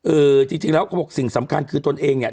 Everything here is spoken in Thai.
จริงจริงแล้วเขาบอกสิ่งสำคัญคือตนเองเนี่ย